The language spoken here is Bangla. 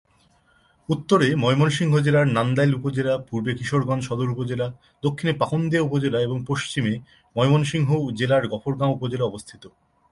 উত্তরে ময়মনসিংহ জেলার নান্দাইল উপজেলা, পূর্বে কিশোরগঞ্জ সদর উপজেলা, দক্ষিণে পাকুন্দিয়া উপজেলা এবং পশ্চিমে ময়মনসিংহ জেলার গফরগাঁও উপজেলা অবস্থিত।